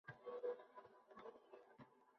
Qirol indamadi.